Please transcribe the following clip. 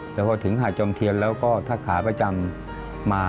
แต่พอถึงหาดจอมเทียนแล้วก็ถ้าขาประจำมา